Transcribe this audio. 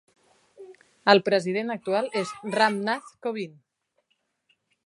El president actual és Ram Nath Kovind.